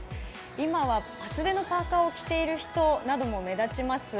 今は厚手のパーカを着ている人も目立ちます。